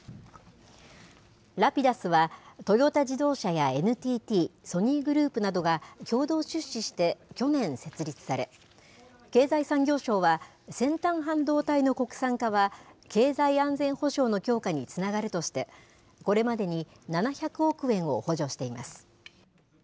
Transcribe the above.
Ｒａｐｉｄｕｓはトヨタ自動車やＮＴＴ、ソニーグループなどが共同出資して、去年設立され、経済産業省は、先端半導体の国産化は、経済安全保障の強化につながるとして、これまでに７００億円を補助しています。